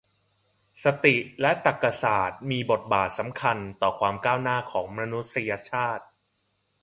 สถิติและตรรกะศาสตร์ มีบทบาทสำคัญต่อ ความก้าวหน้าของมนุษยชาติ